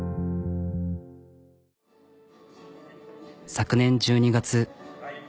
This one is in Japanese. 昨年１２月。